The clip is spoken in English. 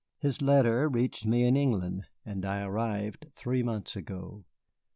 His letter reached me in England, and I arrived three months ago."